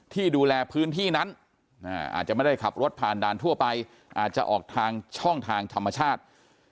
ที่ดูแลพื้นที่นั้นอาจจะไม่ได้ขับรถผ่านด่านทั่วไปอาจจะออกทางช่องทางธรรมชาติ